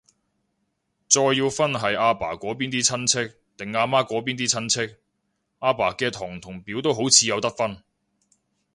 再要分係阿爸嗰邊啲親戚，定阿媽嗰邊啲親戚，阿爸嘅堂同表都好似有得分